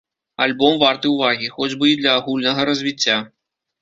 Альбом варты ўвагі, хоць бы і для агульнага развіцця.